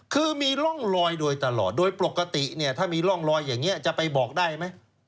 คือมีร่องลอยโดยตลอดโดยปกติเนี่ยถ้ามีร่องรอยอย่างนี้จะไปบอกได้ไหม